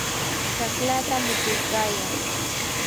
chaqlata mutuykayan.